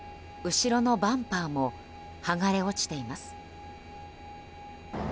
後ろのバンパーも剥がれ落ちています。